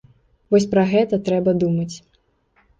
Вось пра гэта трэба думаць.